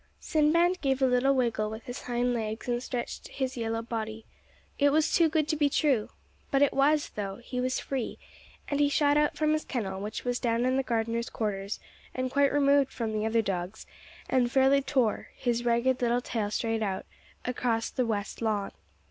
Sinbad gave a little wiggle with his hind legs, and stretched his yellow body. It was too good to be true! But it was, though; he was free, and he shot out from his kennel, which was down in the gardener's quarters, and quite removed from the other dogs, and fairly tore his ragged little tail straight out across the west lawn.